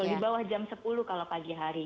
di bawah jam sepuluh kalau pagi hari